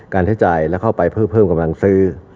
การใช้จ่ายและเข้าไปเพิ่มกำลังซื้อ